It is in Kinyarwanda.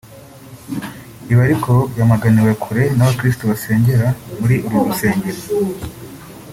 Ibi ariko byamaganiwe kure n’abakirisitu basengera muri uru rusengero